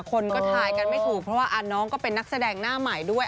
คนก็ทายกันไม่ถูกเพราะว่าน้องก็เป็นนักแสดงหน้าใหม่ด้วย